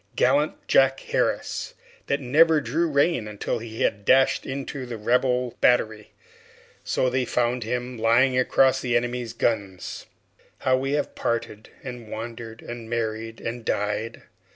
Gallant Jack Harris, that never drew rein until he had dashed into the Rebel battery! So they found him lying across the enemy's guns. How we have parted, and wandered, and married, and died!